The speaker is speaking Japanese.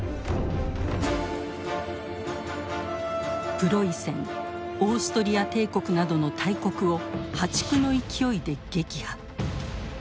プロイセンオーストリア帝国などの大国を破竹の勢いで撃破。